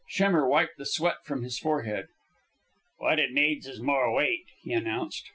Schemmer wiped the sweat from his forehead. "What it needs is more weight," he announced.